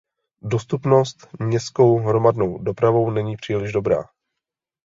Dostupnost městskou hromadnou dopravou není příliš dobrá.